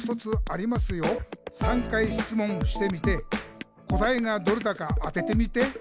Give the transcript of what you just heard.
「３回しつもんしてみて答えがどれだか当ててみて！」